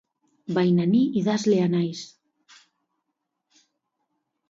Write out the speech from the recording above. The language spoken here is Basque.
Baina ni idazlea naiz.